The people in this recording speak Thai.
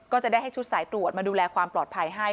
ก็จะได้ให้ชุดสายตรวจมาดูแลความปลอดภัยให้